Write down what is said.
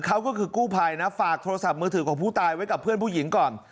เขาก็คือกู้ภัยนะฝากโทรศัพท์มือถือของผู้ตายไว้กับเพื่อนผู้หญิงก่อน